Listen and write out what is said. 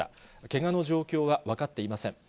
けがの状況は分かっていません。